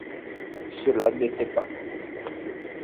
Cela n’était pas.